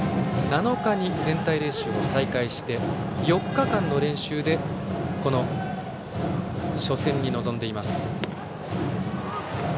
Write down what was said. ７日に全体練習を再開して４日間の練習でこの初戦に臨んでいます。